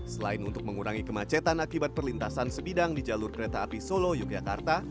selain untuk mengurangi kemacetan akibat perlintasan sebidang di jalur kereta api solo yogyakarta